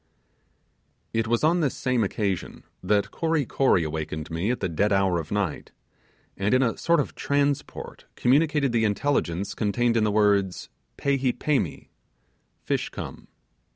It was on this same occasion that Kory Kory awakened me at the dead hour of night, and in a sort of transport communicated the intelligence contained in the words 'pehee perni' (fish come).